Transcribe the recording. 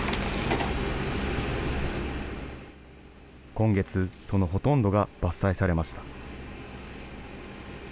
今月、そのほとんどが伐採されました。